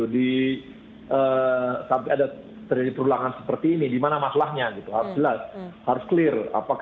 di sampai ada terjadi perulangan seperti ini dimana masalahnya gitu harus jelas harus clear